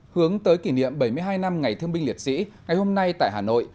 hướng tới kỷ niệm bảy mươi hai năm ngày thương binh liệt sĩ ngày hôm nay tại hà nội